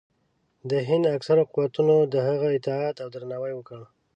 د هند اکثرو قوتونو د هغه اطاعت او درناوی وکړ.